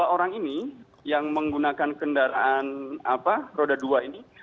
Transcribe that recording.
tiga orang ini yang menggunakan kendaraan roda dua ini